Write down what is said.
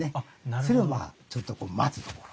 それをまあちょっと待つところ。